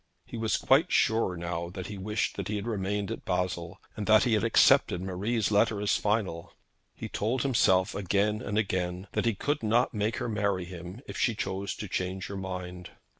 He was quite sure now that he wished he had remained at Basle, and that he had accepted Marie's letter as final. He told himself again and again that he could not make her marry him if she chose to change her mind.